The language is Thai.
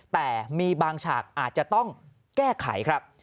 แต่มีบางฉากอาจจะต้องแก้ไขครับ